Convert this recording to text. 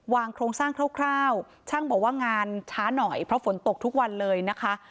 โครงสร้างคร่าวช่างบอกว่างานช้าหน่อยเพราะฝนตกทุกวันเลยนะคะ